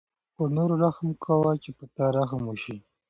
پر نورو رحم کوه چې په تا رحم وشي.